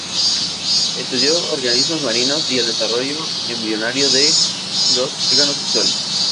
Estudió organismos marinos y el desarrollo embrionario de los órganos sexuales.